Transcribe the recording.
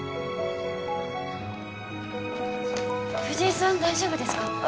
藤井さん大丈夫ですか？